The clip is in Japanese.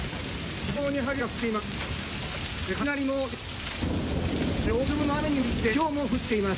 非常に激しい雨が降っています。